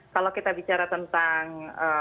kalau kita bicara tentang